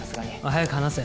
早く話せ。